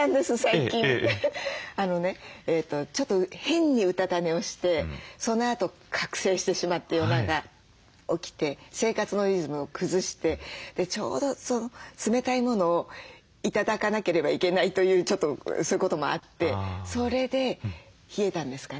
あのねちょっと変にうたた寝をしてそのあと覚醒してしまって夜中起きて生活のリズムを崩してちょうど冷たい物を頂かなければいけないというちょっとそういうこともあってそれで冷えたんですかね。